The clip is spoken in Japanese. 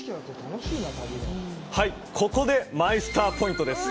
はいここでマイスターポイントです